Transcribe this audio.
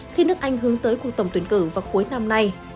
khi nước anh hướng tới cuộc tổng tuyển cử vào cuối năm nay